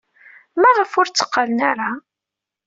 Maɣef ur tteqqalen ara?